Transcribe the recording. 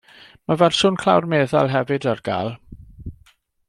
Mae fersiwn clawr meddal hefyd ar gael.